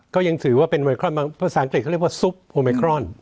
ก็ยังถือว่าเป็นไมครอนบางภาษาอังกฤษเขาเรียกว่าซุปโอเมครอน